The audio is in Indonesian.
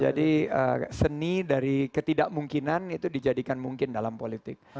jadi seni dari ketidakmungkinan itu dijadikan mungkin dalam politik